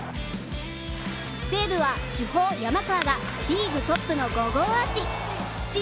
西武は主砲山川がリーグトップの５号アーチ。